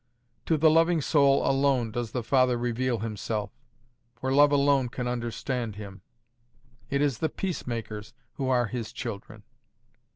To the loving soul alone does the Father reveal Himself; for love alone can understand Him. It is the peace makers who are His children.